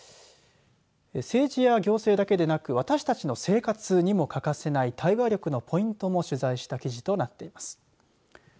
政治や行政だけでなく私たちの生活にも欠かせない対話力のポイントも取材した記事となっています。